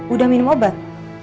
udah minum obat